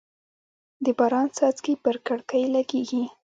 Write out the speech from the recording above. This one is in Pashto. د باران څاڅکي پر کړکۍ لګېږي.